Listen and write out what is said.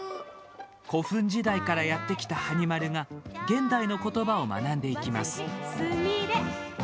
古墳時代からやってきたはに丸が、現代の言葉を学んでいきます。